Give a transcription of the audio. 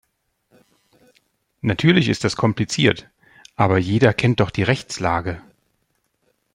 Natürlich ist das kompliziert, aber jeder kennt doch die Rechtslage!